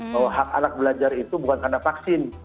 bahwa hak anak belajar itu bukan karena vaksin